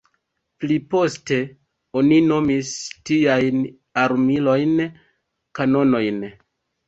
Pliposte oni nomis tiajn armilojn kanonojn.